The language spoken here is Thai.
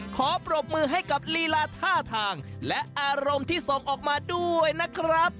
ขอปรบมือให้กับลีลาท่าทางและอารมณ์ที่ส่งออกมาด้วยนะครับ